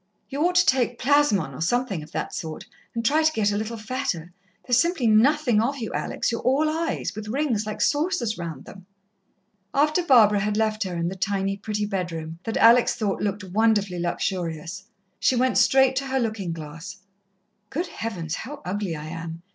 "You ought to take Plasmon, or something of that sort, and try to get a little fatter. There's simply nothing of you, Alex you're all eyes, with rings like saucers round them." After Barbara had left her in the tiny, pretty bedroom, that Alex thought looked wonderfully luxurious, she went straight to her looking glass. "Good heavens, how ugly I am!"